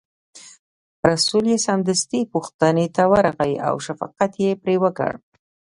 رسول یې سمدستي پوښتنې ته ورغی او شفقت یې پرې وکړ.